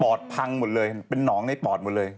พังหมดเลยเป็นหนองในปอดหมดเลย